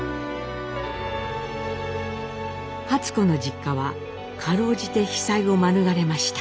初子の実家はかろうじて被災を免れました。